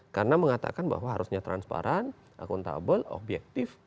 karena mengatakan bahwa harusnya transparan akuntabel objektif